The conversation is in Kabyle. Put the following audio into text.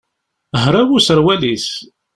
Hraw userwal-is.